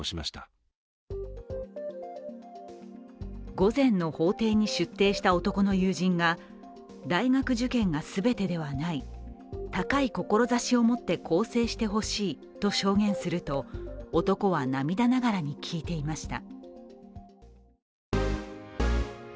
午前の法廷に出廷した男の友人が大学受験が全てではない、高い志を持って更正してほしいと証言すると男は涙ながらに聞いていました。